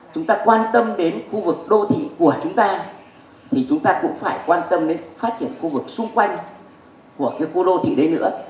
chúng ta quan tâm đến khu vực đô thị của chúng ta thì chúng ta cũng phải quan tâm đến phát triển khu vực xung quanh của khu đô thị đấy nữa